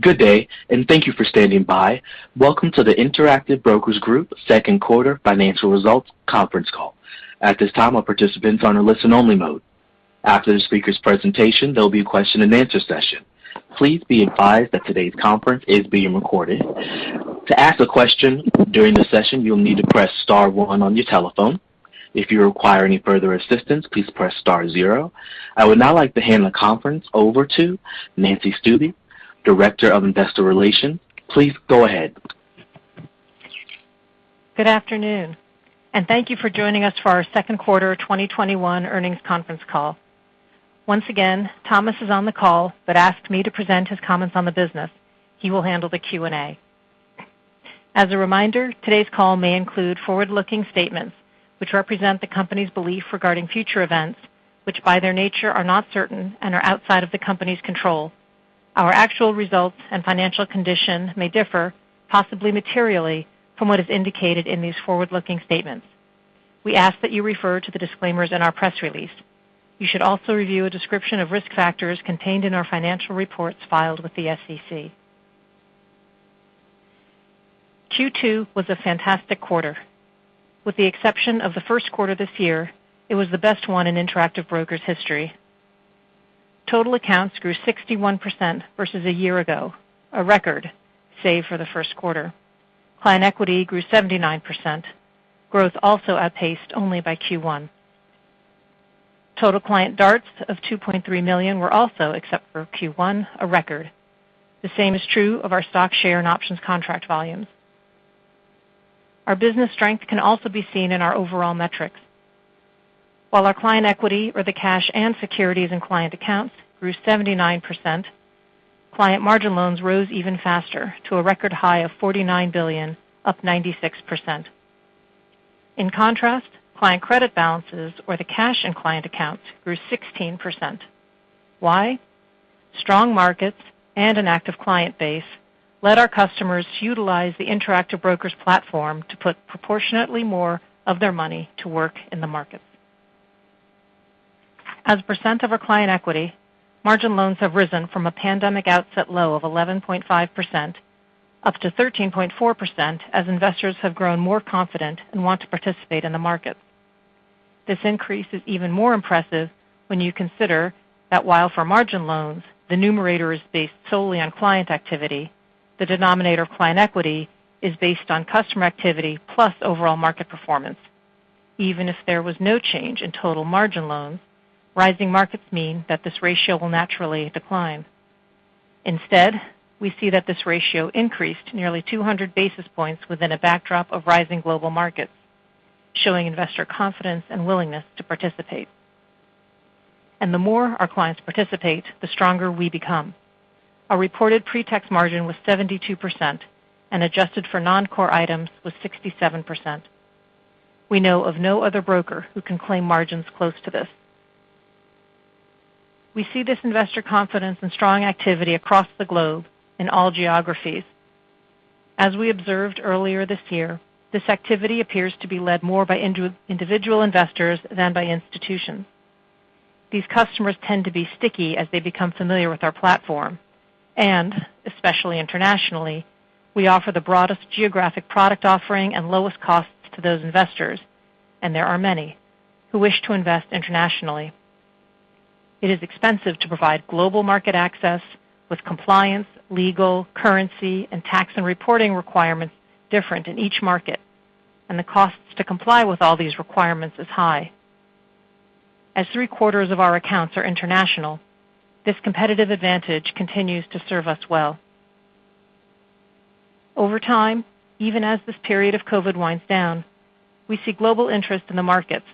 Good day. Thank you for standing by. Welcome to the Interactive Brokers Group second quarter financial results conference call. At this time, all participants are in a listen-only mode. After the speaker's presentation, there will be a question-and-answer session. Please be advised that today's conference is being recorded. To ask a question during the session, you'll need to press star one on your telephone. If you require any further assistance, please press star zero. I would now like to hand the conference over to Nancy Stuebe, Director of Investor Relations. Please go ahead. Good afternoon, thank you for joining us for our second quarter 2021 earnings conference call. Once again, Thomas is on the call but asked me to present his comments on the business. He will handle the Q&A. As a reminder, today's call may include forward-looking statements which represent the company's belief regarding future events, which by their nature are not certain and are outside of the company's control. Our actual results and financial condition may differ, possibly materially, from what is indicated in these forward-looking statements. We ask that you refer to the disclaimers in our press release. You should also review a description of risk factors contained in our financial reports filed with the SEC. Q2 was a fantastic quarter. With the exception of the first quarter this year, it was the best one in Interactive Brokers' history. Total accounts grew 61% versus a year ago, a record, save for the first quarter. Client equity grew 79%, growth also outpaced only by Q1. Total client DARTs of 2.3 million were also, except for Q1, a record. The same is true of our stock share and options contract volumes. Our business strength can also be seen in our overall metrics. While our client equity, or the cash and securities in client accounts, grew 79%, client margin loans rose even faster to a record high of $49 billion, up 96%. In contrast, client credit balances, or the cash in client accounts, grew 16%. Why? Strong markets and an active client base let our customers utilize the Interactive Brokers platform to put proportionately more of their money to work in the market. As a percent of our client equity, margin loans have risen from a pandemic outset low of 11.5% up to 13.4% as investors have grown more confident and want to participate in the market. This increase is even more impressive when you consider that while for margin loans, the numerator is based solely on client activity, the denominator client equity is based on customer activity plus overall market performance. Even if there was no change in total margin loans, rising markets mean that this ratio will naturally decline. Instead, we see that this ratio increased nearly 200 basis points within a backdrop of rising global markets, showing investor confidence and willingness to participate. The more our clients participate, the stronger we become. Our reported pre-tax margin was 72% and adjusted for non-core items was 67%. We know of no other broker who can claim margins close to this. We see this investor confidence and strong activity across the globe in all geographies. As we observed earlier this year, this activity appears to be led more by individual investors than by institutions. These customers tend to be sticky as they become familiar with our platform, and especially internationally, we offer the broadest geographic product offering and lowest costs to those investors, and there are many who wish to invest internationally. It is expensive to provide global market access with compliance, legal, currency, and tax and reporting requirements different in each market, and the costs to comply with all these requirements is high. As three-quarters of our accounts are international, this competitive advantage continues to serve us well. Over time, even as this period of COVID winds down, we see global interest in the markets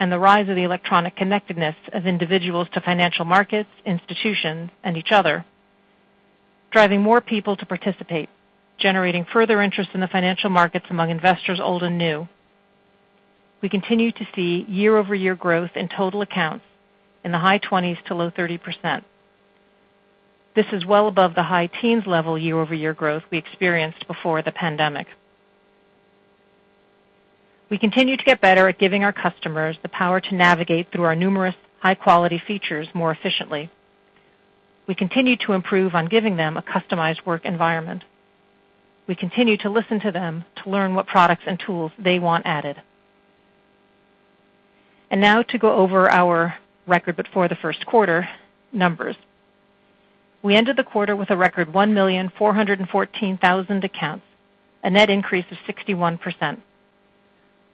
and the rise of the electronic connectedness of individuals to financial markets, institutions, and each other, driving more people to participate, generating further interest in the financial markets among investors, old and new. We continue to see year-over-year growth in total accounts in the high 20%s to low 30%. This is well above the high teens level year-over-year growth we experienced before the pandemic. We continue to get better at giving our customers the power to navigate through our numerous high-quality features more efficiently. We continue to improve on giving them a customized work environment. We continue to listen to them to learn what products and tools they want added. Now to go over our record before the first quarter numbers. We ended the quarter with a record 1,414,000 accounts, a net increase of 61%.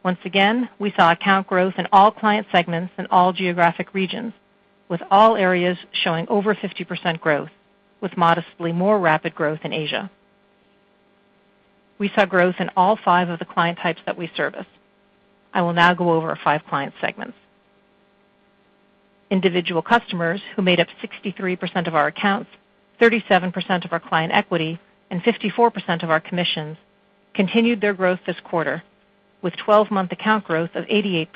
Once again, we saw account growth in all client segments and all geographic regions, with all areas showing over 50% growth, with modestly more rapid growth in Asia. We saw growth in all five of the client types that we service. I will now go over our five client segments. Individual customers who made up 63% of our accounts, 37% of our client equity, and 54% of our commissions continued their growth this quarter, with 12-month account growth of 88%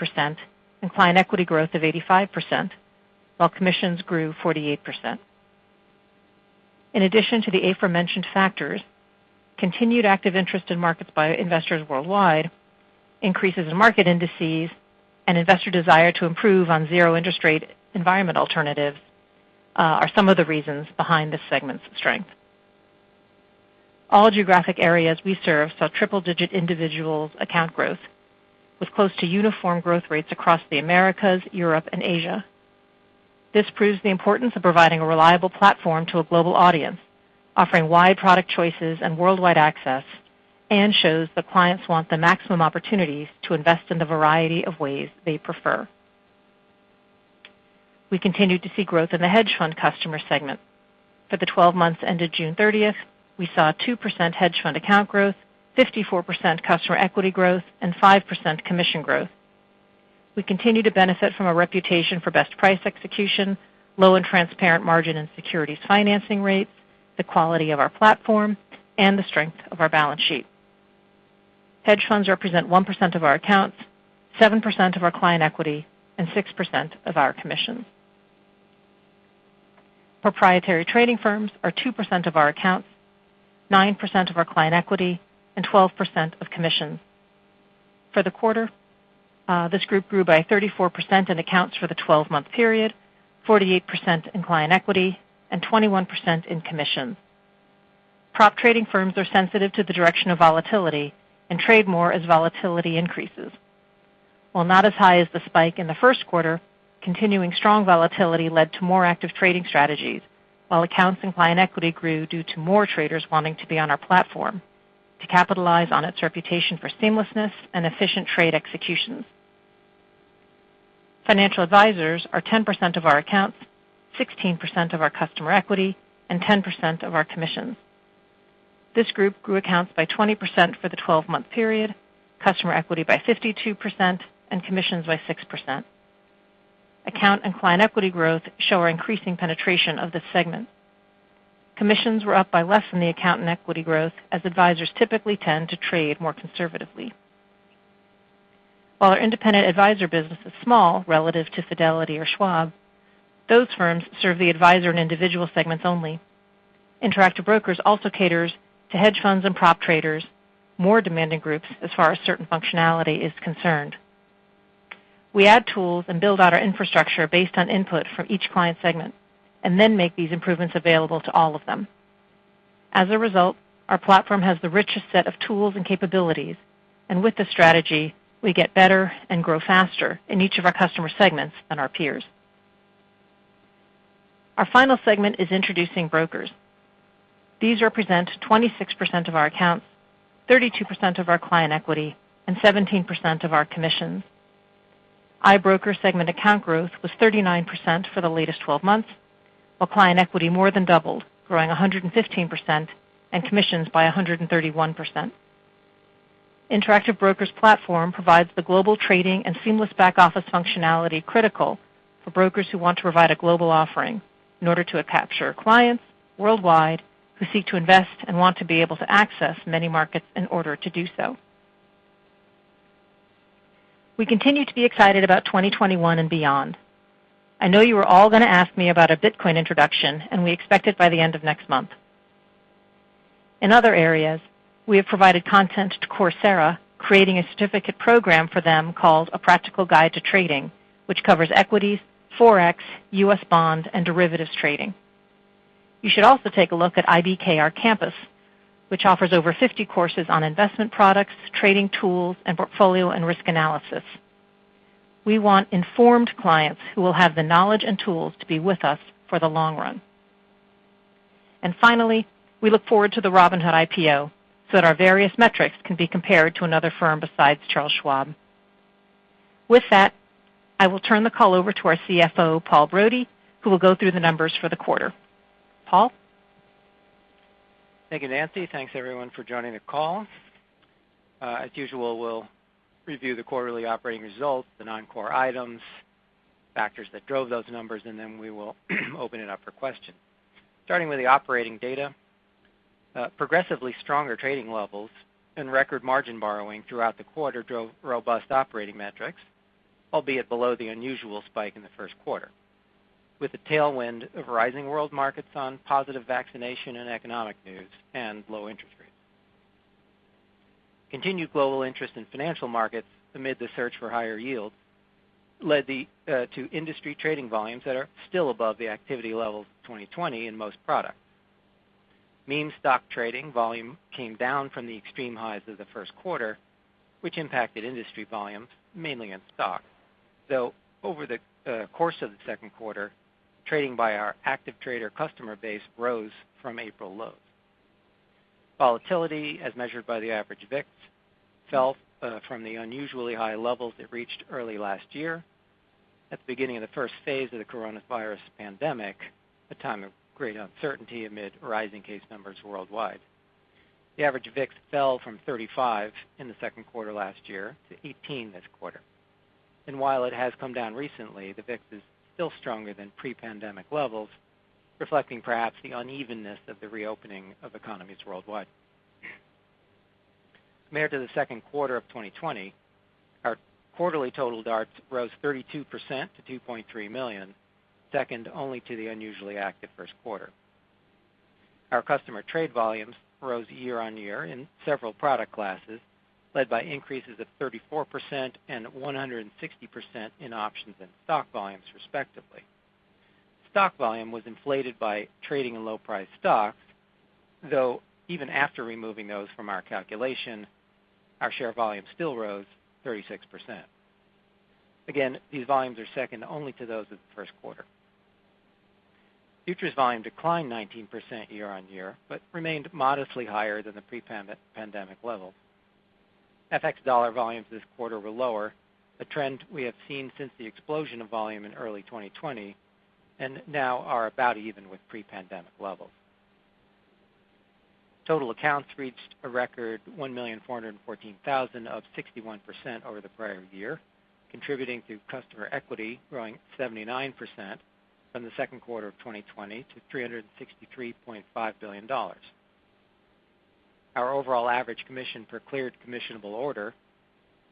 and client equity growth of 85%, while commissions grew 48%. In addition to the aforementioned factors, continued active interest in markets by investors worldwide, increases in market indices, and investor desire to improve on zero interest rate environment alternatives are some of the reasons behind this segment's strength. All geographic areas we serve saw triple-digit individuals account growth, with close to uniform growth rates across the Americas, Europe, and Asia. This proves the importance of providing a reliable platform to a global audience, offering wide product choices and worldwide access, and shows that clients want the maximum opportunities to invest in the variety of ways they prefer. We continued to see growth in the hedge fund customer segment. For the 12 months ended June 30th, we saw a 2% hedge fund account growth, 54% customer equity growth, and 5% commission growth. We continue to benefit from a reputation for best price execution, low and transparent margin and securities financing rates, the quality of our platform, and the strength of our balance sheet. Hedge funds represent 1% of our accounts, 7% of our client equity, and 6% of our commissions. Proprietary trading firms are 2% of our accounts, 9% of our client equity, and 12% of commissions. For the quarter, this group grew by 34% in accounts for the 12-month period, 48% in client equity, and 21% in commissions. Prop trading firms are sensitive to the direction of volatility and trade more as volatility increases. While not as high as the spike in the first quarter, continuing strong volatility led to more active trading strategies, while accounts and client equity grew due to more traders wanting to be on our platform to capitalize on its reputation for seamlessness and efficient trade executions. Financial advisors are 10% of our accounts, 16% of our customer equity, and 10% of our commissions. This group grew accounts by 20% for the 12-month period, customer equity by 52%, and commissions by 6%. Account and client equity growth show our increasing penetration of this segment. Commissions were up by less than the account and equity growth, as advisors typically tend to trade more conservatively. While our independent advisor business is small relative to Fidelity or Schwab, those firms serve the advisor and individual segments only. Interactive Brokers also caters to hedge funds and prop traders, more demanding groups as far as certain functionality is concerned. We add tools and build out our infrastructure based on input from each client segment, and then make these improvements available to all of them. As a result, our platform has the richest set of tools and capabilities, and with this strategy, we get better and grow faster in each of our customer segments than our peers. Our final segment is introducing brokers. These represent 26% of our accounts, 32% of our client equity, and 17% of our commissions. IBroker segment account growth was 39% for the latest 12 months, while client equity more than doubled, growing 115%, and commissions by 131%. Interactive Brokers' platform provides the global trading and seamless back-office functionality critical for brokers who want to provide a global offering in order to capture clients worldwide who seek to invest and want to be able to access many markets in order to do so. We continue to be excited about 2021 and beyond. I know you were all going to ask me about a Bitcoin introduction, and we expect it by the end of next month. In other areas, we have provided content to Coursera, creating a certificate program for them called A Practical Guide to Trading, which covers equities, Forex, U.S. bonds, and derivatives trading. You should also take a look at IBKR Campus, which offers over 50 courses on investment products, trading tools, and portfolio and risk analysis. We want informed clients who will have the knowledge and tools to be with us for the long run. Finally, we look forward to the Robinhood IPO so that our various metrics can be compared to another firm besides Charles Schwab. With that, I will turn the call over to our Chief Financial Officer, Paul Brody, who will go through the numbers for the quarter. Paul? Thank you, Nancy. Thanks everyone for joining the call. As usual, we'll review the quarterly operating results, the non-core items, factors that drove those numbers, we will open it up for questions. Starting with the operating data. Progressively stronger trading levels and record margin loans throughout the quarter drove robust operating metrics, albeit below the unusual spike in the first quarter with the tailwind of rising world markets on positive vaccination and economic news and low interest rates. Continued global interest in financial markets amid the search for higher yields led to industry trading volumes that are still above the activity levels of 2020 in most products. meme stock trading volume came down from the extreme highs of the first quarter, which impacted industry volumes mainly in stocks, though over the course of the second quarter, trading by our active trader customer base rose from April lows. Volatility, as measured by the average VIX, fell from the unusually high levels it reached early last year at the beginning of the first phase of the coronavirus pandemic, a time of great uncertainty amid rising case numbers worldwide. The average VIX fell from 35 in the second quarter last year to 18 this quarter. While it has come down recently, the VIX is still stronger than pre-pandemic levels, reflecting perhaps the unevenness of the reopening of economies worldwide. Compared to the second quarter of 2020, our quarterly total DARTs rose 32% to 2.3 million, second only to the unusually active first quarter. Our customer trade volumes rose year-on-year in several product classes, led by increases of 34% and 160% in options and stock volumes, respectively. Stock volume was inflated by trading in low-priced stocks, though even after removing those from our calculation, our share volume still rose 36%. Again, these volumes are second only to those of the first quarter. Futures volume declined 19% year-on-year, but remained modestly higher than the pre-pandemic levels. FX dollar volumes this quarter were lower, a trend we have seen since the explosion of volume in early 2020 and now are about even with pre-pandemic levels. Total accounts reached a record 1,414,000, up 61% over the prior year, contributing to customer equity growing 79% from the second quarter of 2020 to $363.5 billion. Our overall average commission per cleared commissionable order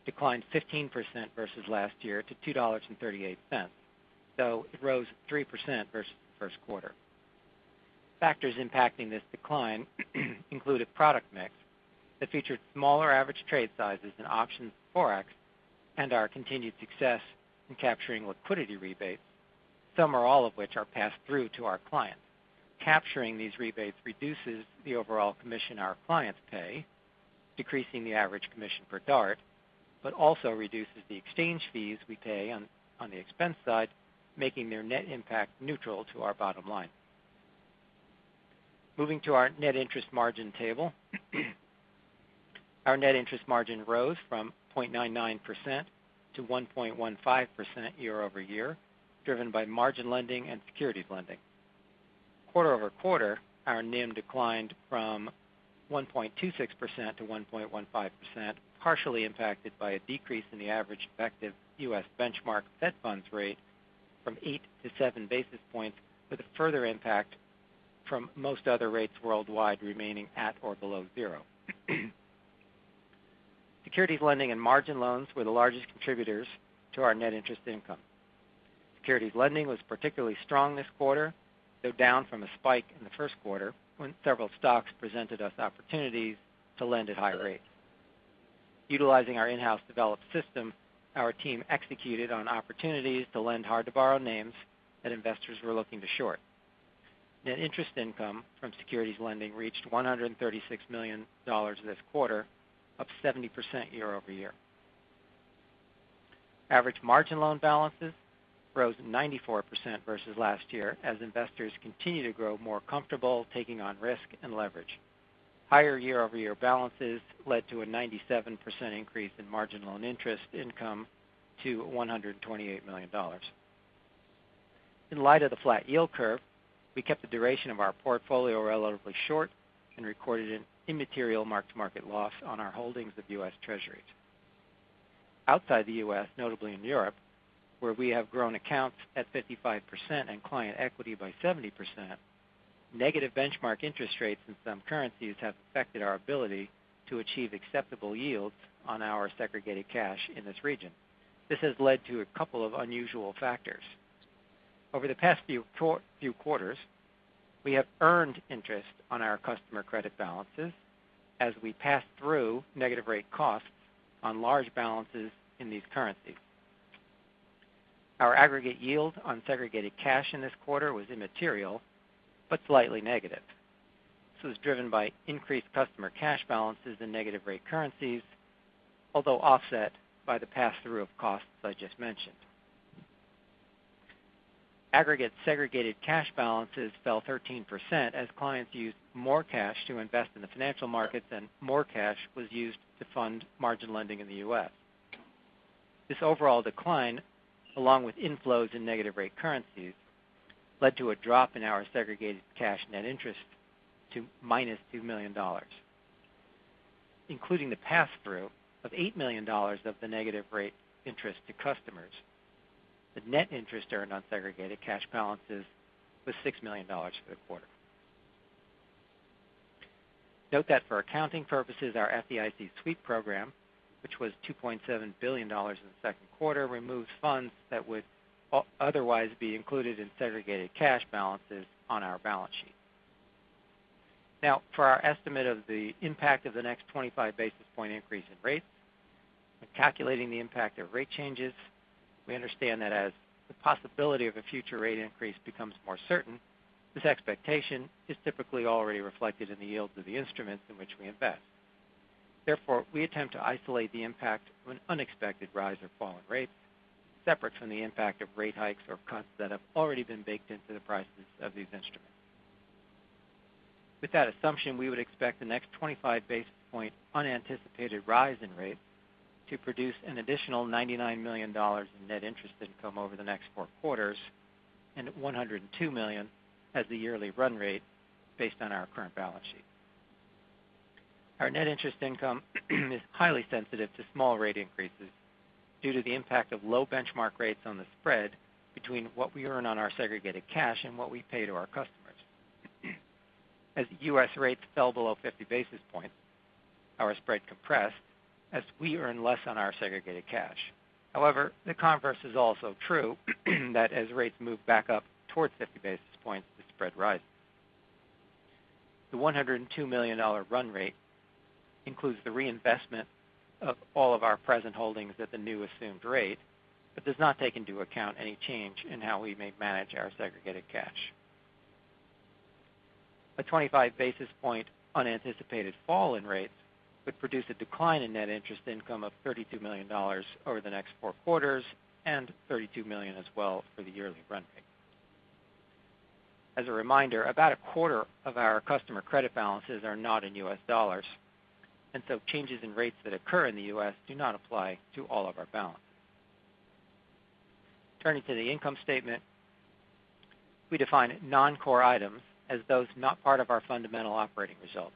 declined 15% versus last year to $2.38, though it rose 3% versus the first quarter. Factors impacting this decline included product mix that featured smaller average trade sizes in options and Forex, and our continued success in capturing liquidity rebates, some or all of which are passed through to our clients. Capturing these rebates reduces the overall commission our clients pay, decreasing the average commission per DART, but also reduces the exchange fees we pay on the expense side, making their net impact neutral to our bottom line. Moving to our net interest margin table. Our net interest margin rose from 0.99% to 1.15% year-over-year, driven by margin lending and securities lending. Quarter-over-quarter, our NIM declined from 1.26% to 1.15%, partially impacted by a decrease in the average effective U.S. benchmark Fed funds rate from 8 to 7 basis points, with a further impact from most other rates worldwide remaining at or below zero. Securities lending and margin loans were the largest contributors to our net interest income. Securities lending was particularly strong this quarter, though down from a spike in the first quarter when several stocks presented us opportunities to lend at higher rates. Utilizing our in-house developed system, our team executed on opportunities to lend hard-to-borrow names that investors were looking to short. Net interest income from securities lending reached $136 million this quarter, up 70% year-over-year. Average margin loan balances rose 94% versus last year as investors continue to grow more comfortable taking on risk and leverage. Higher year-over-year balances led to a 97% increase in margin loan interest income to $128 million. In light of the flat yield curve, we kept the duration of our portfolio relatively short and recorded an immaterial mark-to-market loss on our holdings of U.S. Treasuries. Outside the U.S., notably in Europe, where we have grown accounts at 55% and client equity by 70%, negative benchmark interest rates in some currencies have affected our ability to achieve acceptable yields on our segregated cash in this region. This has led to a couple of unusual factors. Over the past few quarters, we have earned interest on our customer credit balances as we pass through negative rate costs on large balances in these currencies. Our aggregate yield on segregated cash in this quarter was immaterial, but slightly negative. This was driven by increased customer cash balances in negative rate currencies, although offset by the pass-through of costs I just mentioned. Aggregate segregated cash balances fell 13% as clients used more cash to invest in the financial markets and more cash was used to fund margin lending in the U.S. This overall decline, along with inflows in negative rate currencies, led to a drop in our segregated cash net interest to $-2 million. Including the pass-through of $8 million of the negative rate interest to customers, the net interest earned on segregated cash balances was $6 million for the quarter. Note that for accounting purposes, our FDIC sweep program, which was $2.7 billion in the second quarter, removes funds that would otherwise be included in segregated cash balances on our balance sheet. Now, for our estimate of the impact of the next 25-basis-point increase in rates. When calculating the impact of rate changes, we understand that as the possibility of a future rate increase becomes more certain, this expectation is typically already reflected in the yields of the instruments in which we invest. Therefore, we attempt to isolate the impact of an unexpected rise or fall in rates separate from the impact of rate hikes or cuts that have already been baked into the prices of these instruments. With that assumption, we would expect the next 25-basis-point unanticipated rise in rates to produce an additional $99 million in net interest income over the next four quarters and $102 million as the yearly run rate based on our current balance sheet. Our net interest income is highly sensitive to small rate increases due to the impact of low benchmark rates on the spread between what we earn on our segregated cash and what we pay to our customers. As U.S. rates fell below 50 basis points, our spread compressed as we earn less on our segregated cash. The converse is also true, that as rates move back up towards 50 basis points, the spread rises. The $102 million run rate includes the reinvestment of all of our present holdings at the new assumed rate, but does not take into account any change in how we may manage our segregated cash. A 25 basis point unanticipated fall in rates would produce a decline in net interest income of $32 million over the next four quarters, and $32 million as well for the yearly run rate. As a reminder, about a quarter of our customer credit balances are not in U.S. dollars, and so changes in rates that occur in the U.S. do not apply to all of our balances. Turning to the income statement, we define non-core items as those not part of our fundamental operating results.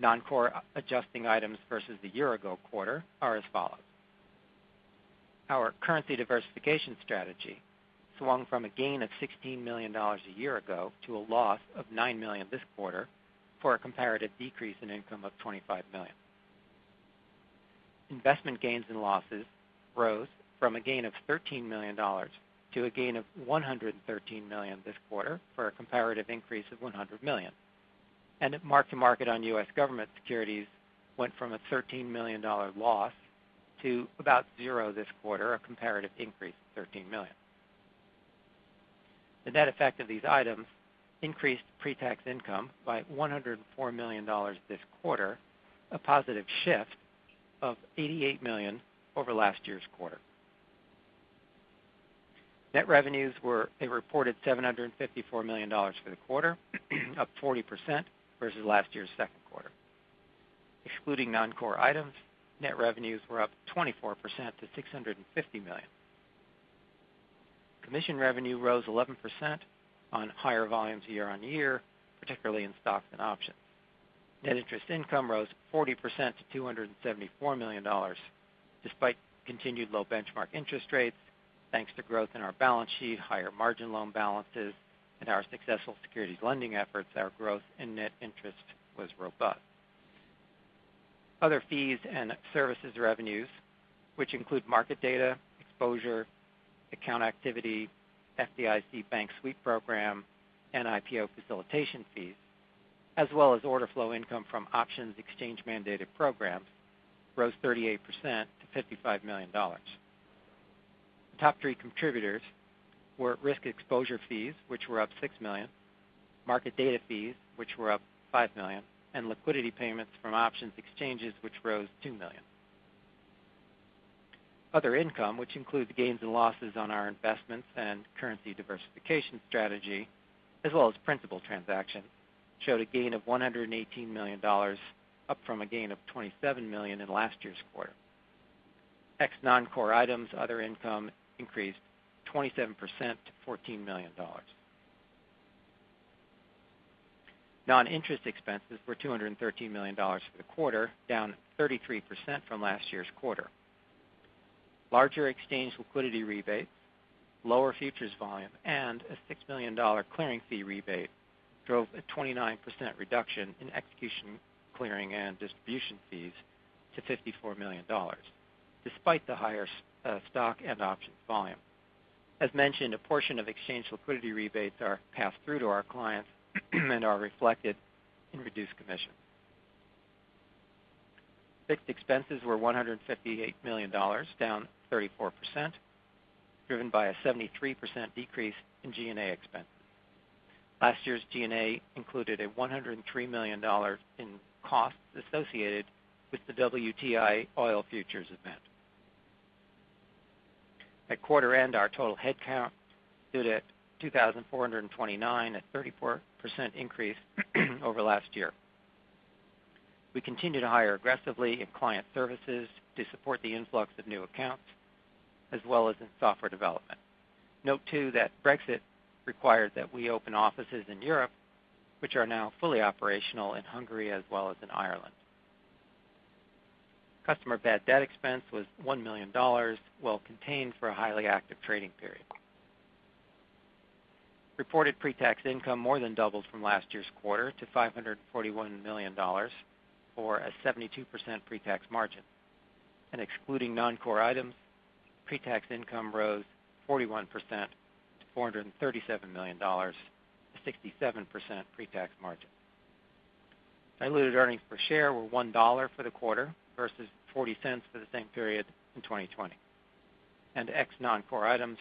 Non-core adjusting items versus the year-ago quarter are as follows. Our currency diversification strategy swung from a gain of $16 million a year ago to a loss of $9 million this quarter, for a comparative decrease in income of $25 million. Investment gains and losses rose from a gain of $13 million to a gain of $113 million this quarter, for a comparative increase of $100 million. Mark-to-market on U.S. government securities went from a $13 million loss to about zero this quarter, a comparative increase of $13 million. The net effect of these items increased pre-tax income by $104 million this quarter, a positive shift of $88 million over last year's quarter. Net revenues were a reported $754 million for the quarter, up 40% versus last year's second quarter. Excluding non-core items, net revenues were up 24% to $650 million. Commission revenue rose 11% on higher volumes year-on-year, particularly in stocks and options. Net interest income rose 40% to $274 million, despite continued low benchmark interest rates. Thanks to growth in our balance sheet, higher margin loan balances, and our successful securities lending efforts, our growth in net interest was robust. Other fees and services revenues, which include market data, exposure, account activity, FDIC Bank Sweep program, and IPO facilitation fees, as well as order flow income from options exchange-mandated programs, rose 38% to $55 million. The top three contributors were risk exposure fees, which were up $6 million, market data fees, which were up $5 million, and liquidity payments from options exchanges, which rose $2 million. Other income, which includes gains and losses on our investments and currency diversification strategy, as well as principal transactions, showed a gain of $118 million, up from a gain of $27 million in last year's quarter. Ex non-core items, other income increased 27% to $14 million. Non-interest expenses were $213 million for the quarter, down 33% from last year's quarter. Larger exchange liquidity rebates, lower futures volume, and a $6 million clearing fee rebate drove a 29% reduction in execution, clearing, and distribution fees to $54 million, despite the higher stock and options volume. As mentioned, a portion of exchange liquidity rebates are passed through to our clients and are reflected in reduced commission. Fixed expenses were $158 million, down 34%, driven by a 73% decrease in G&A expenses. Last year's G&A included a $103 million in costs associated with the WTI oil futures event. At quarter end, our total head count stood at 2,429, a 34% increase over last year. We continue to hire aggressively in client services to support the influx of new accounts, as well as in software development. Note, too, that Brexit required that we open offices in Europe, which are now fully operational in Hungary as well as in Ireland. Customer bad debt expense was $1 million, well contained for a highly active trading period. Reported pre-tax income more than doubled from last year's quarter to $541 million, or a 72% pre-tax margin, and excluding non-core items, pre-tax income rose 41% to $437 million, a 67% pre-tax margin. Diluted earnings per share were $1 for the quarter versus $0.40 for the same period in 2020. Ex non-core items,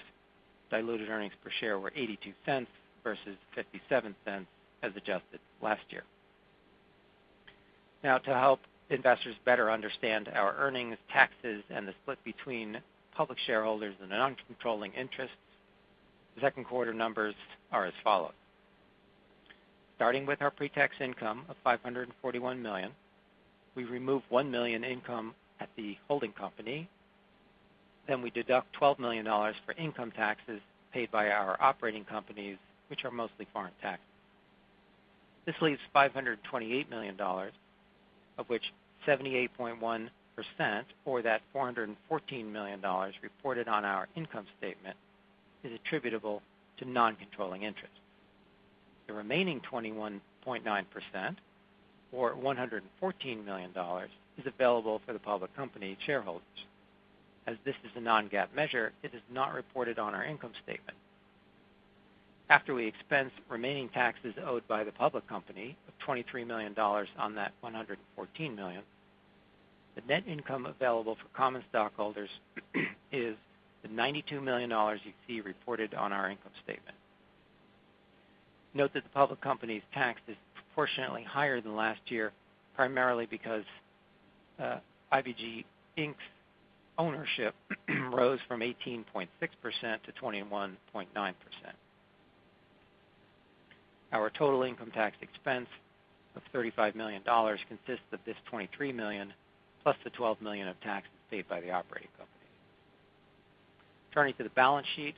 diluted earnings per share were $0.82 versus $0.57 as adjusted last year. To help investors better understand our earnings taxes and the split between public shareholders and non-controlling interests, the second quarter numbers are as follows. Starting with our pre-tax income of $541 million, we remove $1 million income at the holding company, then we deduct $12 million for income taxes paid by our operating companies, which are mostly foreign taxes. This leaves $528 million. Of which 78.1%, or that $414 million reported on our income statement, is attributable to non-controlling interest. The remaining 21.9%, or $114 million, is available for the public company shareholders. As this is a non-GAAP measure, it is not reported on our income statement. After we expense remaining taxes owed by the public company of $23 million on that $114 million, the net income available for common stockholders is the $92 million you see reported on our income statement. Note that the public company's tax is proportionately higher than last year, primarily because IBG Inc's ownership rose from 18.6% to 21.9%. Our total income tax expense of $35 million consists of this $23 million, plus the $12 million of taxes paid by the operating company. Turning to the balance sheet,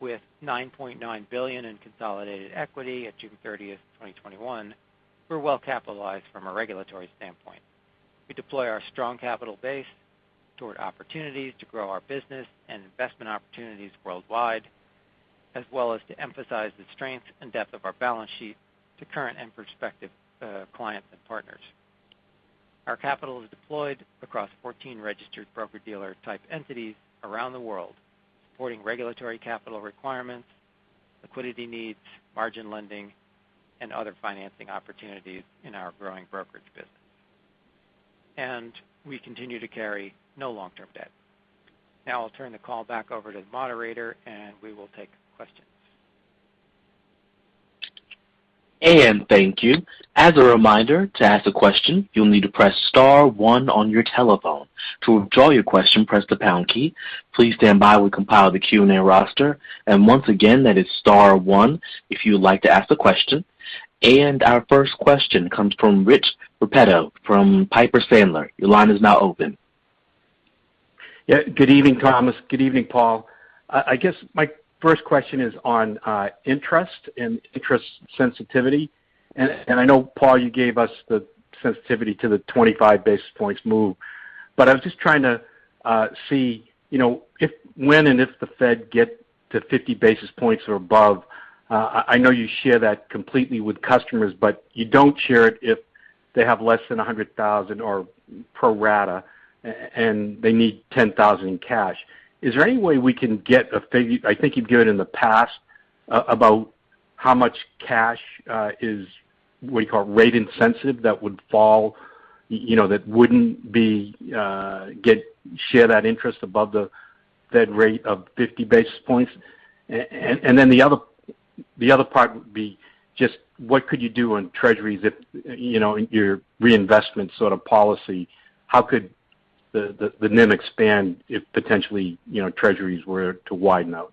with $9.9 billion in consolidated equity at June 30th, 2021, we're well capitalized from a regulatory standpoint. We deploy our strong capital base toward opportunities to grow our business and investment opportunities worldwide, as well as to emphasize the strength and depth of our balance sheet to current and prospective clients and partners. Our capital is deployed across 14 registered broker-dealer type entities around the world, supporting regulatory capital requirements, liquidity needs, margin lending, and other financing opportunities in our growing brokerage business. We continue to carry no long-term debt. Now I'll turn the call back over to the moderator, and we will take questions. Thank you. As a reminder, to ask a question, you'll need to press star one on your telephone. To withdraw your question, press the pound key. Please stand by. We compile the Q&A roster. Once again, that is star one if you would like to ask a question. Our first question comes from Rich Repetto from Piper Sandler. Your line is now open. Yeah. Good evening, Thomas. Good evening, Paul. I guess my first question is on interest and interest sensitivity. I know, Paul, you gave us the sensitivity to the 25 basis points move. I was just trying to see when and if the Fed get to 50 basis points or above, I know you share that completely with customers, but you don't share it if they have less than $100,000 or pro rata and they need $10,000 in cash. Is there any way we can get a figure, I think you'd given in the past, about how much cash is, what do you call it, rate insensitive that would fall, that wouldn't share that interest above the Fed rate of 50 basis points? The other part would be just what could you do on treasuries if in your reinvestment sort of policy, how could the NIM expand if potentially treasuries were to widen out?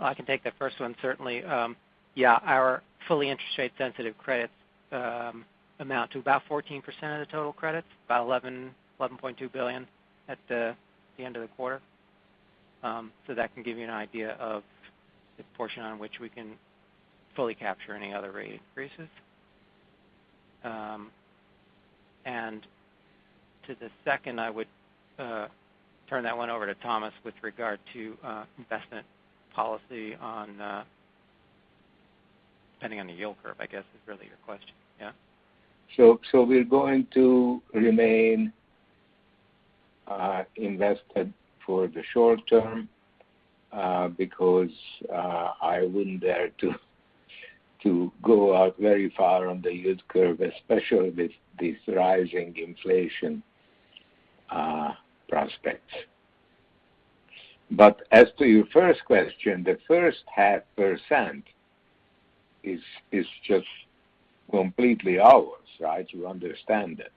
I can take that first one, certainly. Yeah, our fully interest rate sensitive credits amount to about 14% of the total credits. About $11.2 billion at the end of the quarter. That can give you an idea of the portion on which we can fully capture any other rate increases. To the second, I would turn that one over to Thomas with regard to investment policy, depending on the yield curve, I guess is really your question. Yeah. We're going to remain invested for the short term because I wouldn't dare to go out very far on the yield curve, especially with this rising inflation prospect. As to your first question, the first half percent is just completely ours. You understand it.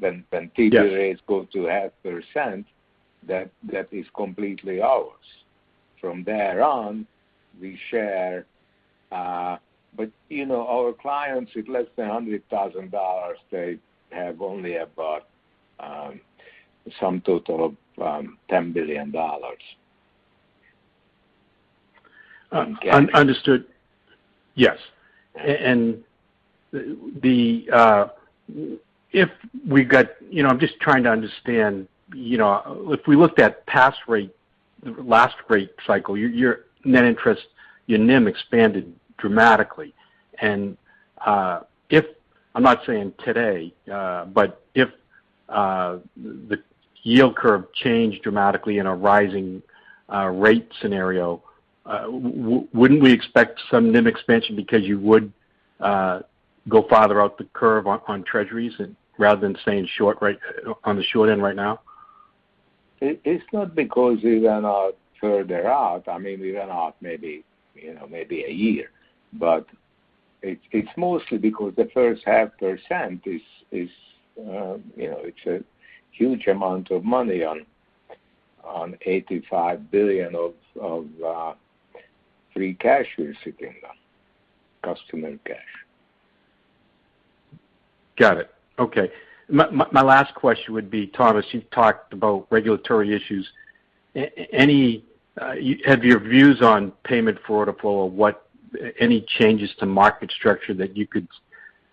When T-bill rates go to half percent, that is completely ours. From there on, we share. Our clients with less than $100,000, they have only about some total of $10 billion. Understood. Yes. I'm just trying to understand. If we looked at last rate cycle, your net interest, your NIM expanded dramatically. I'm not saying today, but if the yield curve changed dramatically in a rising rate scenario, wouldn't we expect some NIM expansion because you would go farther out the curve on treasuries rather than staying on the short end right now? It's not because we went out further out. We went out maybe a year. It's mostly because the first half percent is a huge amount of money on $85 billion of free cash we're sitting on. Customer cash. Got it. Okay. My last question would be, Thomas, you talked about regulatory issues. Have your views on payment for order flow, any changes to market structure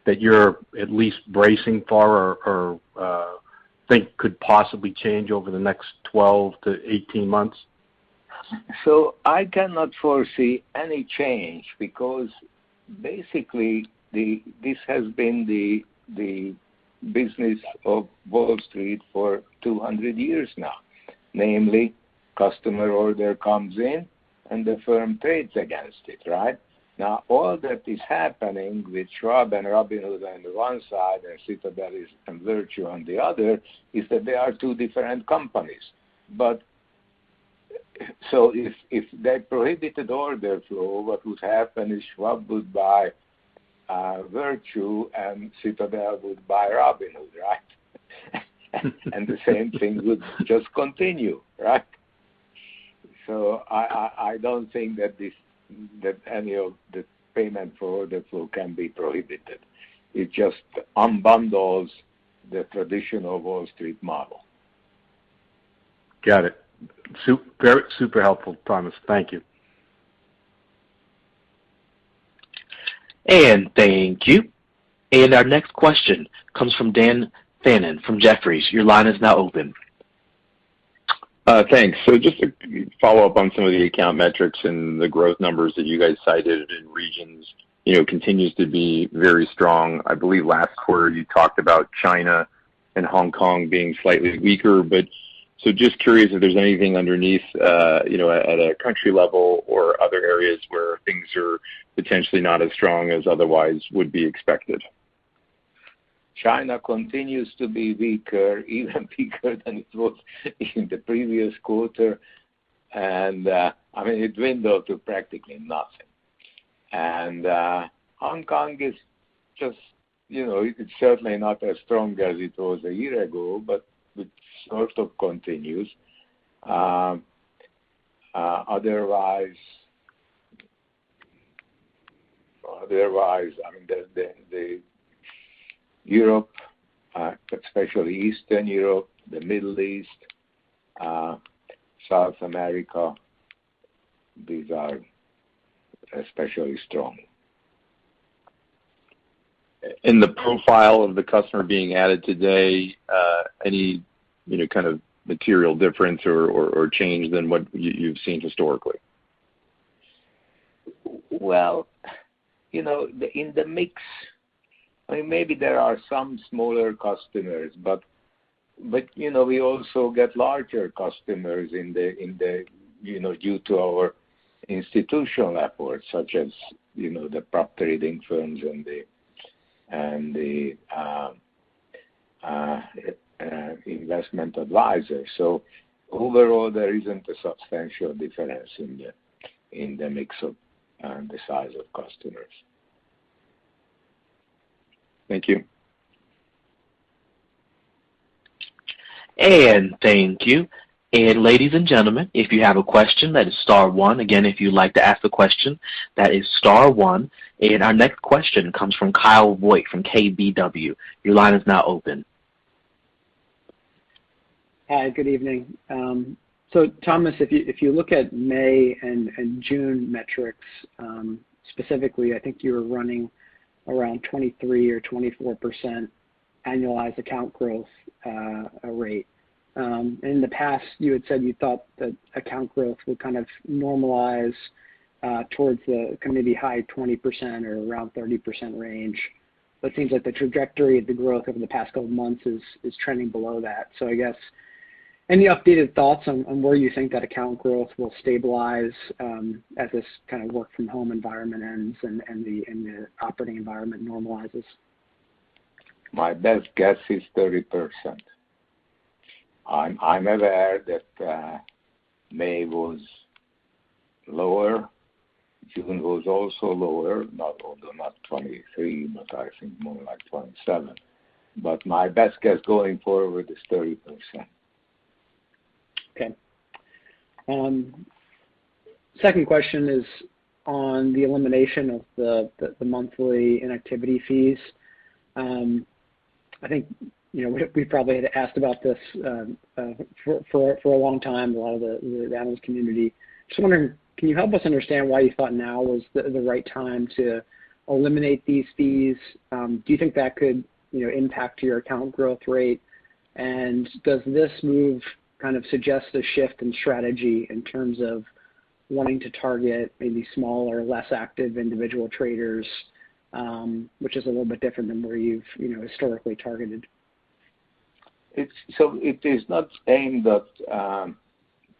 that you're at least bracing for or think could possibly change over the next 12-18 months? I cannot foresee any change because basically this has been the business of Wall Street for 200 years now. Namely, customer order comes in and the firm trades against it, right? All that is happening with Schwab and Robinhood on the one side and Citadel and Virtu on the other, is that they are two different companies. If they prohibited order flow, what would happen is Schwab would buy Virtu and Citadel would buy Robinhood, right? The same thing would just continue, right? I don't think that any of the payment for order flow can be prohibited. It just unbundles the traditional Wall Street model. Got it. Super helpful, Thomas. Thank you. Thank you. Our next question comes from Dan Fannon from Jefferies. Your line is now open. Thanks. Just to follow up on some of the account metrics and the growth numbers that you guys cited in regions continues to be very strong. I believe last quarter you talked about China and Hong Kong being slightly weaker. Just curious if there's anything underneath at a country level or other areas where things are potentially not as strong as otherwise would be expected? China continues to be weaker, even weaker than it was in the previous quarter, and it dwindled to practically nothing. Hong Kong is certainly not as strong as it was a year ago, but it sort of continues. Otherwise, Europe, especially Eastern Europe, the Middle East, South America, these are especially strong. In the profile of the customer being added today, any kind of material difference or change than what you've seen historically? In the mix, maybe there are some smaller customers, but we also get larger customers due to our institutional efforts such as the prop trading firms and the investment advisors. Overall, there isn't a substantial difference in the mix of the size of customers. Thank you. Thank you. Ladies and gentlemen, if you have a question, that is star one. Again, if you'd like to ask a question, that is star one. Our next question comes from Kyle Voigt from KBW. Your line is now open. Hi, good evening. Thomas, if you look at May and June metrics, specifically, I think you were running around 23% or 24% annualized account growth rate. In the past, you had said you thought that account growth would kind of normalize towards the maybe high 20% or around 30% range. It seems like the trajectory of the growth over the past couple months is trending below that. I guess, any updated thoughts on where you think that account growth will stabilize as this work from home environment ends and the operating environment normalizes? My best guess is 30%. I'm aware that May was lower. June was also lower. Not lower, not 23%, but I think more like 27%. My best guess going forward is 30%. Okay. Second question is on the elimination of the monthly inactivity fees. I think we probably had asked about this for a long time, a lot of the analyst community. Just wondering, can you help us understand why you thought now was the right time to eliminate these fees? Do you think that could impact your account growth rate? Does this move kind of suggest a shift in strategy in terms of wanting to target maybe smaller, less active individual traders, which is a little bit different than where you've historically targeted? It is not aimed at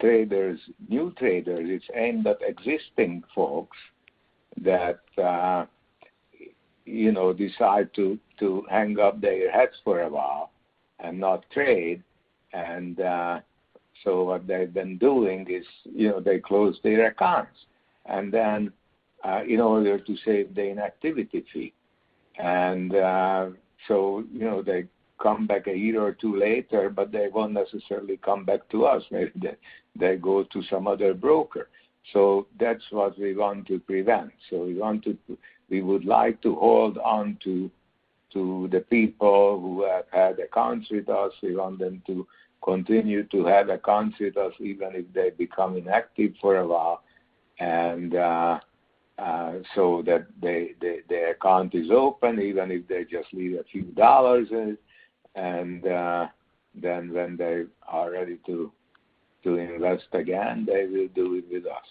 new traders. It's aimed at existing folks that decide to hang up their hats for a while and not trade. What they've been doing is they close their accounts in order to save the inactivity fee. They come back a year or two later, but they won't necessarily come back to us. Maybe they go to some other broker. That's what we want to prevent. We would like to hold on to the people who have had accounts with us, we want them to continue to have accounts with us even if they become inactive for a while. That their account is open, even if they just leave a few dollars in. When they are ready to invest again, they will do it with us.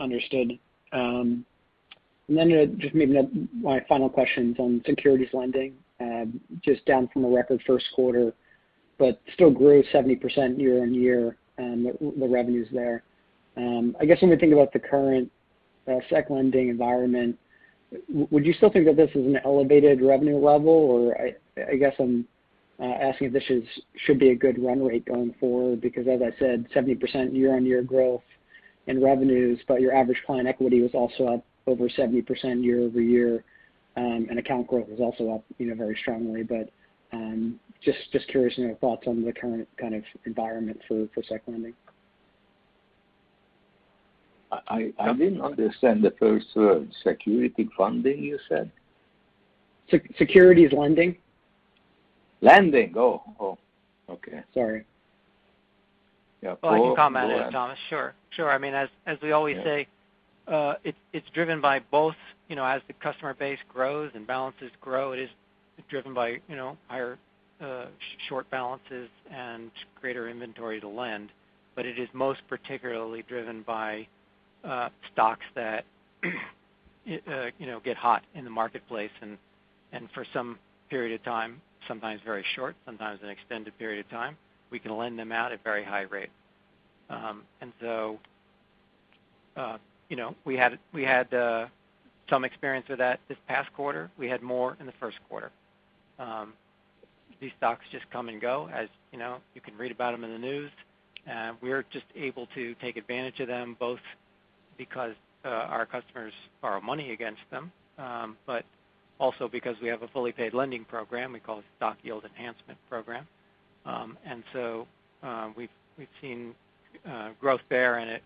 Understood. Just maybe my final question is on securities lending. Just down from a record first quarter, but still grew 70% year-on-year, the revenues there. I guess when we think about the current securities lending environment, would you still think that this is an elevated revenue level? I guess I'm asking if this should be a good run rate going forward, because as I said, 70% year-on-year growth in revenues, but your average client equity was also up over 70% year-over-year, and account growth was also up very strongly. Just curious on your thoughts on the current environment for securities lending. I didn't understand the first term. Securities lending, you said? Securities lending. Lending. Oh, okay. Sorry. Yeah. Go ahead. I can comment on it, Thomas. Sure. As we always say, it's driven by both as the customer base grows and balances grow, it is driven by higher short balances and greater inventory to lend. It is most particularly driven by stocks that get hot in the marketplace, and for some period of time, sometimes very short, sometimes an extended period of time, we can lend them out at very high rate. We had some experience with that this past quarter. We had more in the first quarter. These stocks just come and go. As you can read about them in the news. We're just able to take advantage of them both because our customers borrow money against them. Also because we have a fully paid lending program we call Stock Yield Enhancement Program. We've seen growth there, and it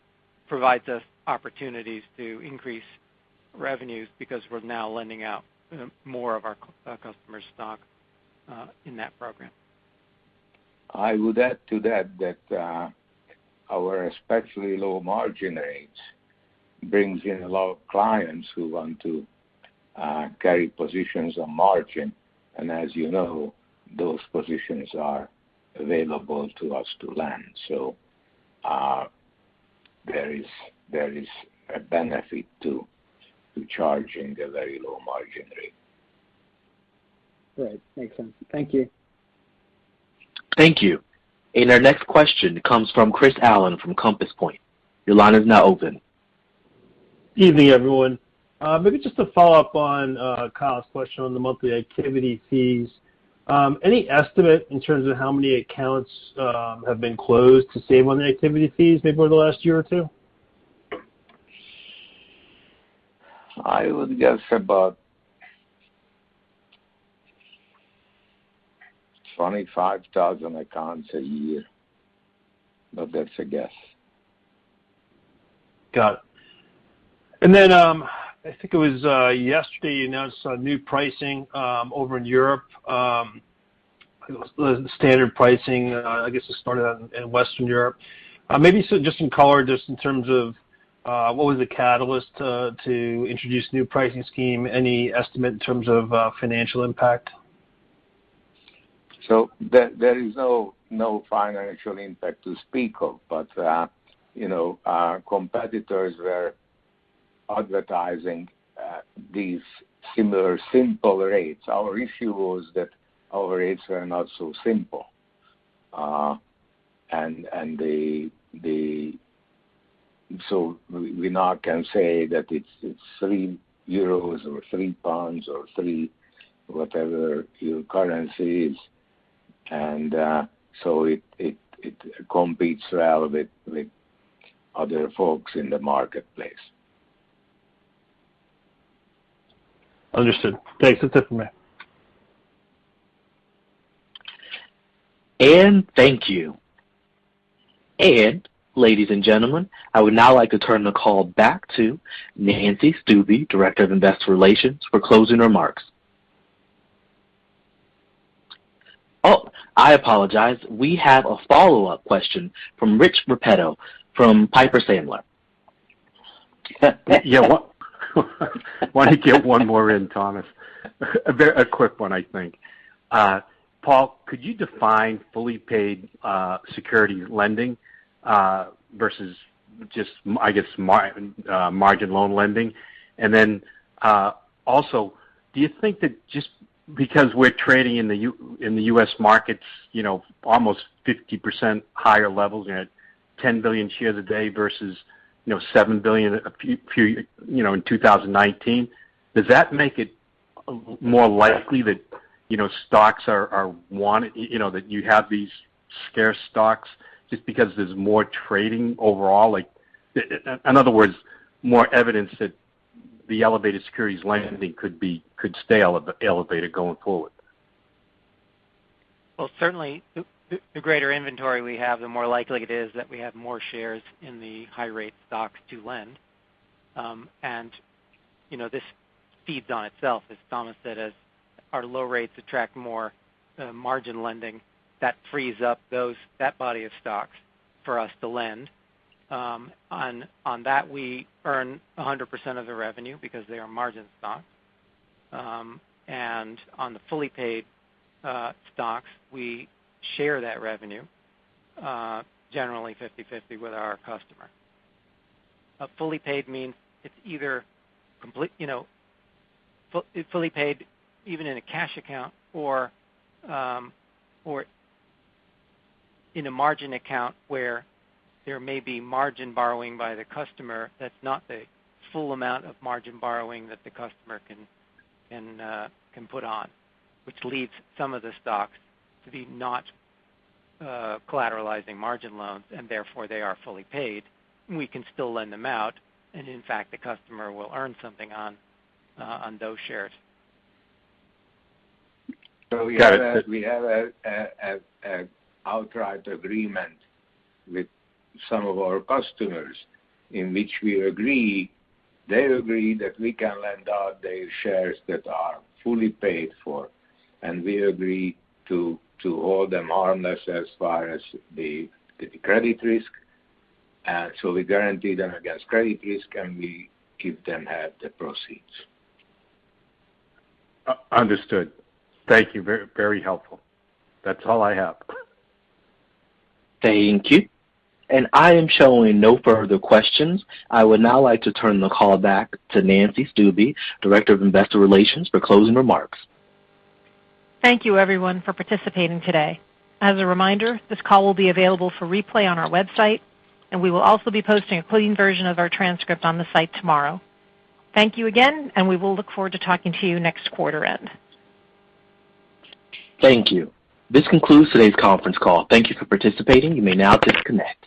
provides us opportunities to increase revenues because we're now lending out more of our customers' stock in that program. I would add to that our especially low margin rates brings in a lot of clients who want to carry positions on margin. As you know, those positions are available to us to lend. There is a benefit to charging a very low margin rate. Great. Makes sense. Thank you. Thank you. Our next question comes from Chris Allen from Compass Point. Your line is now open. Evening, everyone. Maybe just to follow up on Kyle's question on the monthly activity fees. Any estimate in terms of how many accounts have been closed to save on the activity fees maybe over the last year or two? I would guess about 25,000 accounts a year, but that's a guess. Got it. I think it was yesterday, you announced a new pricing over in Europe. The standard pricing, I guess it started out in Western Europe. Maybe just some color, just in terms of what was the catalyst to introduce new pricing scheme, any estimate in terms of financial impact? There is no financial impact to speak of, but our competitors were advertising these similar simple rates. Our issue was that our rates were not so simple. We now can say that it's 3 euros or 3 pounds or 3 whatever your currency is. It competes well with other folks in the marketplace. Understood. Thanks. That's it for me. Thank you. Ladies and gentlemen, I would now like to turn the call back to Nancy Stuebe, Director of Investor Relations, for closing remarks. Oh, I apologize. We have a follow-up question from Rich Repetto from Piper Sandler. Why don't you get one more in, Thomas? A quick one, I think. Paul, could you define fully paid securities lending, versus just, I guess, margin loan lending? Then, also, do you think that just because we're trading in the U.S. markets almost 50% higher levels at 10 billion shares a day versus 7 billion in 2019, does that make it more likely that stocks are wanted, that you have these scarce stocks just because there's more trading overall? In other words, more evidence that the elevated securities lending could stay elevated going forward? Well, certainly the greater inventory we have, the more likely it is that we have more shares in the high rate stocks to lend. This feeds on itself, as Thomas said, as our low rates attract more margin lending, that frees up that body of stocks for us to lend. On that, we earn 100% of the revenue because they are margin stocks. On the fully paid stocks, we share that revenue, generally 50/50 with our customer. A fully paid means it's either fully paid even in a cash account or in a margin account where there may be margin borrowing by the customer, that's not the full amount of margin borrowing that the customer can put on, which leaves some of the stocks to be not collateralizing margin loans, and therefore they are fully paid. We can still lend them out, and in fact, the customer will earn something on those shares. We have an outright agreement with some of our customers in which we agree, they agree that we can lend out their shares that are fully paid for, and we agree to hold them harmless as far as the credit risk. We guarantee them against credit risk, and we give them half the proceeds. Understood. Thank you. Very helpful. That's all I have. Thank you. I am showing no further questions. I would now like to turn the call back to Nancy Stuebe, Director of Investor Relations, for closing remarks. Thank you everyone for participating today. As a reminder, this call will be available for replay on our website. We will also be posting a clean version of our transcript on the site tomorrow. Thank you again. We will look forward to talking to you next quarter end. Thank you. This concludes today's conference call. Thank you for participating. You may now disconnect.